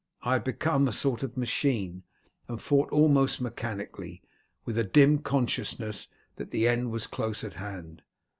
I had become a sort of machine, and fought almost mechanically, with a dim consciousness that the end was close at hand.